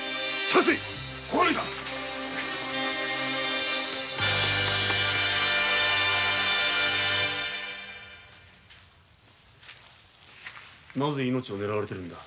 捜せなぜ命を狙われてるんだ？